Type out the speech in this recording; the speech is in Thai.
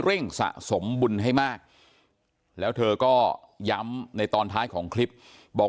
สะสมบุญให้มากแล้วเธอก็ย้ำในตอนท้ายของคลิปบอก